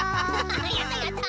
やったやった。